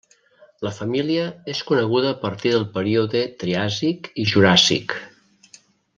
La família és coneguda a partir del període Triàsic i Juràssic.